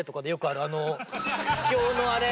秘境のあれ。